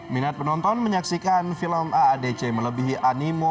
minat penonton menyaksikan film aadc melebihi animo